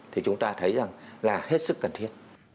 thì chúng ta thấy rằng là hết sức cần thiết